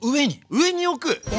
上に置く？